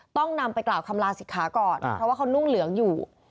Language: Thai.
ต้องนำไปกล่าวคำลาศิกขาก่อนเพราะว่าเขานุ่งเหลืองอยู่